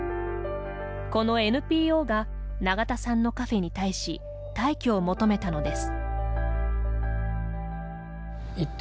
このＮＰＯが永田さんのカフェに対し退去を求めたのです。